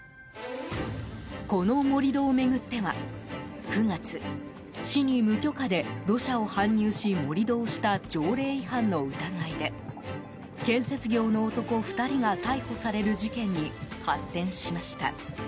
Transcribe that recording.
この盛り土を巡っては、９月市に無許可で土砂を搬入し盛り土をした条例違反の疑いで建設業の男２人が逮捕される事件に発展しました。